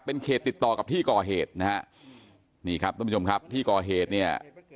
เป็นเขตติดต่อกับที่ก่อเหตุนะฮะนี่ครับท่านผู้ชมครับที่ก่อเหตุเนี่ย